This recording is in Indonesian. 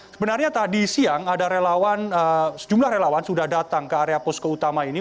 sebenarnya tadi siang ada relawan sejumlah relawan sudah datang ke area posko utama ini